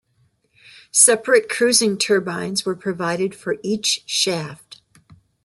Separate cruising turbines were provided for each shaft.